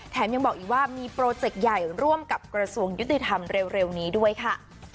ยังบอกอีกว่ามีโปรเจกต์ใหญ่ร่วมกับกระทรวงยุติธรรมเร็วนี้ด้วยค่ะ